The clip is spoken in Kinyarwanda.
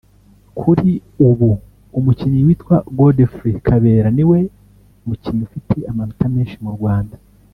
Kuri ubu umukinnyi witwa Godfrey Kabera niwe mukinnyi ufite amanota menshi mu Rwanda